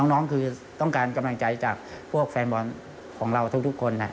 น้องคือต้องการกำลังใจจากพวกแฟนบอลของเราทุกคน